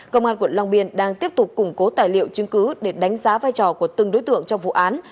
công an quận long biên đang tiếp tục củng cố tài liệu chứng cứ để đánh giá vai trò của từng đối tượng trong vụ án